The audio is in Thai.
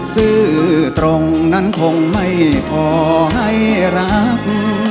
ซื้อตรงนั้นคงไม่พอให้รัก